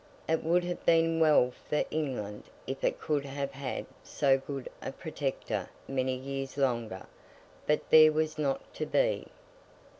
It would have been well for England if it could have had so good a Protector many years longer, but that was not to be.